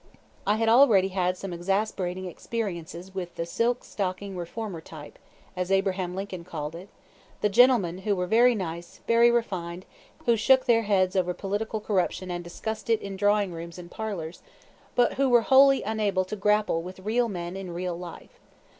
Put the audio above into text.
I had already had some exasperating experiences with the "silk stocking" reformer type, as Abraham Lincoln called it, the gentlemen who were very nice, very refined, who shook their heads over political corruption and discussed it in drawing rooms and parlors, but who were wholly unable to grapple with real men in real life.